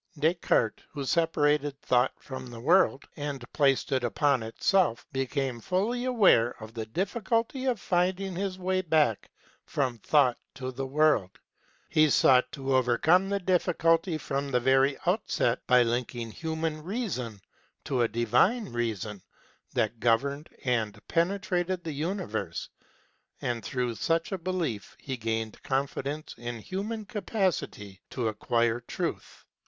Descartes, who separated Thought from the World and placed it upon itself, became fully aware of the difficulty of finding his way back from Thought to the World. He sought to overcome the difficulty from the very outset by linking human reason to a Divine Reason that governed and penetrated the universe ; and through such a belief he gained confidence in human capacity to acquire truth.